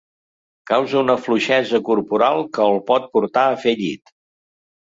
Causa una fluixesa corporal que el pot portar a fer llit.